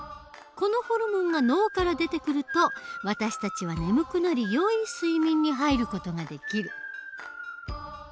このホルモンが脳から出てくると私たちは眠くなりよい睡眠に入る事ができる。